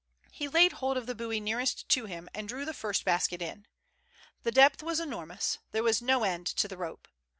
He laid hold of the buoy nearest to him, and drew the first basket in. The depth was enormous, there was no end to the rope.